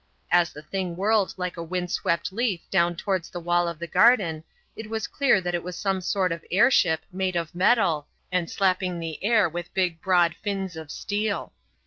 As the thing whirled like a windswept leaf down towards the wall of the garden it was clear that it was some sort of air ship made of metal, and slapping the air with big broad fins of steel.